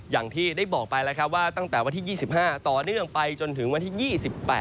อย่างที่ได้บอกไปแล้วครับว่าตั้งแต่วันที่๒๕ต่อเนื่องไปจนถึงวันที่๒๘